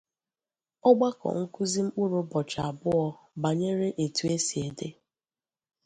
Ọgbakọ nkụzi mkpụrụ ụbọchị abụọ banyere etu e si ede